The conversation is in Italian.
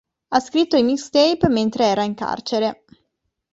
Ha scritto il mixtape mentre era in carcere.